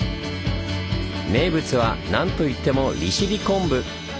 名物はなんといっても利尻昆布！